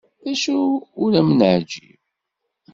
D acu ur am-neεǧib?